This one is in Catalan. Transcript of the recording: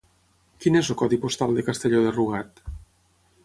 Quin és el codi postal de Castelló de Rugat?